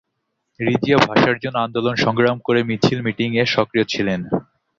রিজিয়া ভাষার জন্য আন্দোলন সংগ্রাম করে মিছিল-মিটিং এ সক্রিয় ছিলেন।